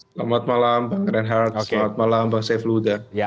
selamat malam bang renhardt selamat malam bang syaful huda